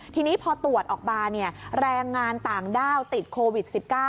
ทีนี้พอตรวจออกมาแรงงานต่างด้าวติดโควิด๑๙